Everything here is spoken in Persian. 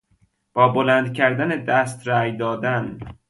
با بلند کردن دست رای دادن